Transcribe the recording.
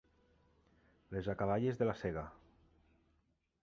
Les acaballes de la sega.